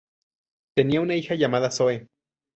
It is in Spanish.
Tenía una hija llamada Zoe.